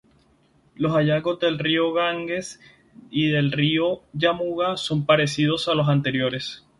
Los hallazgos del río Ganges y del río Yamuna son parecidos a los anteriores.